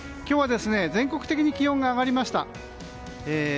今日は全国的に気温が上がりました。